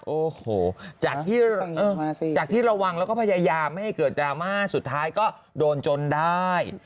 โอ้โหจากที่ระวังแล้วก็พยายามไม่ให้เกิดดราม่าสุดท้ายก็โดนจนได้